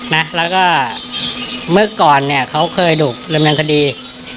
นะแล้วก็เมื่อก่อนเนี่ยเขาเคยถูกดำเนินคดี